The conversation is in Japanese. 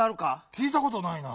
きいたことないな。